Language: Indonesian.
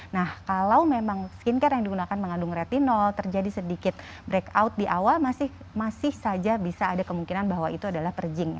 nah kalau memang skincare yang digunakan mengandung retinol terjadi sedikit break out di awal masih saja bisa ada kemungkinan bahwa itu adalah purging